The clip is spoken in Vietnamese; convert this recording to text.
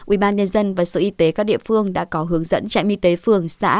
ubnd và sự y tế các địa phương đã có hướng dẫn trại mi tế phường xã